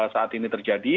saat ini terjadi